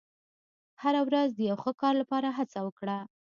• هره ورځ د یو ښه کار لپاره هڅه وکړه.